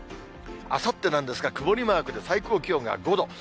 あさってなんですが、曇りマークで、最高気温が５度。